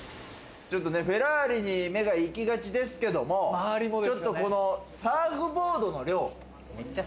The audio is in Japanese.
フェラーリに目が行きがちですけど、ちょっとこのサーフボードの量。